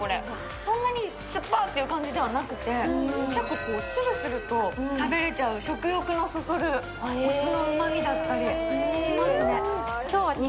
そんなに酸っぱって感じではなくてするすると食べれちゃう食欲をそそるお酢のうまみだったり。